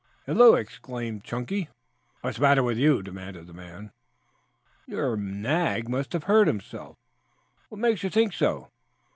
"Hello!" exclaimed Chunky. "What's the matter with you?" demanded the man. "Your nag must have hurt itself." "What makes you think so?"